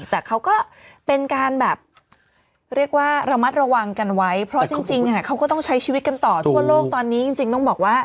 แต่เขาก็เป็นการแบบเรียกว่าระมัดระวังกันไว้เพราะจริงเขาก็ต้องใช้ชีวิตกันต่อทั่วโลกตอนนี้จริงต้องบอกว่า